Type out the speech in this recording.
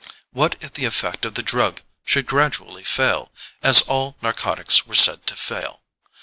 What if the effect of the drug should gradually fail, as all narcotics were said to fail?